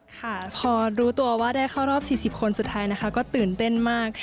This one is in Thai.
ค่ะพอรู้ตัวว่าได้เข้ารอบ๔๐คนสุดท้ายนะคะก็ตื่นเต้นมาก